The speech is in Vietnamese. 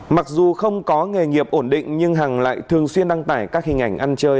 mặc dù không có nghề nghiệp ổn định nhưng hằng lại thường xuyên đăng tải các hình ảnh ăn chơi